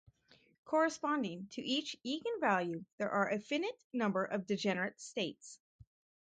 Corresponding to each eigenvalue there are a finite number of degenerate states.